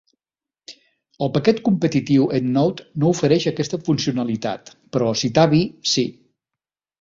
El paquet competitiu EndNote no ofereix aquesta funcionalitat, però Citavi sí.